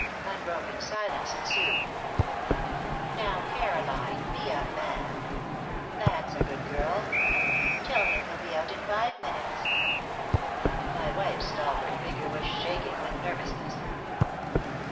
Unbroken silence ensued. "Now, Caroline, be a man that's a good girl! Tell him you'll be out in five minutes." My wife's stalwart figure was shaking with nervousness.